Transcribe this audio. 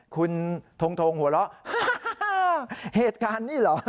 คุณทงทงหัวเราะเหตุการณ์นี้เหรอ